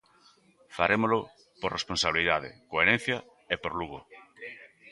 Farémolo por responsabilidade, coherencia e por Lugo.